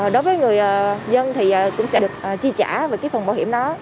đối với người dân thì cũng sẽ được chi trả về cái phần bảo hiểm đó